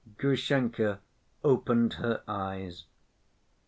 Grushenka opened her eyes.